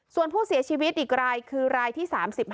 ส่วนผู้เสียชีวิตอีกรายคือรายที่๓๕